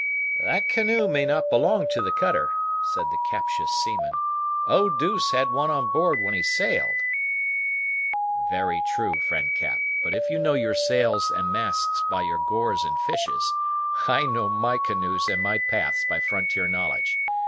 "That canoe may not belong to the cutter," said the captious seaman. "Oh deuce had one on board when he sailed." "Very true, friend Cap; but if you know your sails and masts by your gores and fishes, I know my canoes and my paths by frontier knowledge.